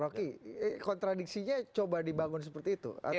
rocky kontradiksinya coba dibangun seperti itu